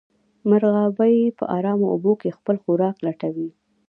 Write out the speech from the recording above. مرغابۍ په ارامو اوبو کې خپل خوراک لټوي